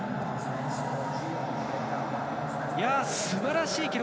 すばらしい記録。